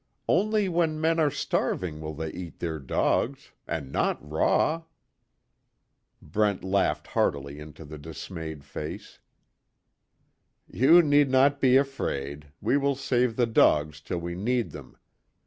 Only when men are starving will they eat their dogs and not raw!" Brent laughed heartily into the dismayed face: "You need not be afraid, we will save the dogs till we need them.